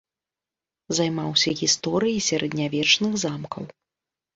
Займаўся гісторыяй сярэднявечных замкаў.